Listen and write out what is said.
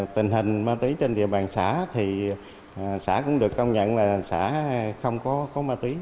tình hình ma túy trên địa bàn xã thì xã cũng được công nhận là xã không có ma túy